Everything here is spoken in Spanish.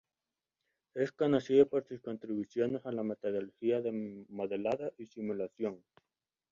Es conocido por sus contribuciones a la metodología de modelado y simulación.